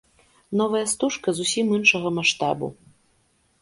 Новая стужка зусім іншага маштабу.